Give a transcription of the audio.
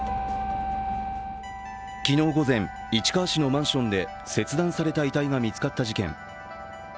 昨日午前、市川市のマンションで切断された遺体が見つかった事件。